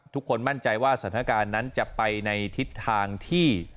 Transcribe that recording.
ทุกคนมั่นใจว่าสถานการณ์นั้นจะไปในทิศทางที่